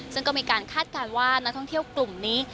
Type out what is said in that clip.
ซึ่งก็มีการคาดการณ์ว่านักท่องเที่ยวกลุ่มนี้